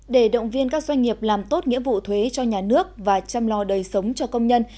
để động viên các doanh nghiệp làm tốt nghĩa vụ thuế cho nhà nước và chăm lo đời sống cho công nhân